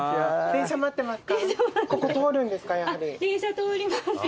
電車待ってますか？